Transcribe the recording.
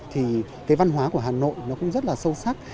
thì văn hóa của hà nội cũng rất sâu sắc